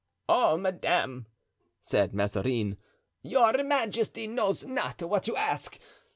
"Oh, madame," said Mazarin, "your majesty knows not what you ask.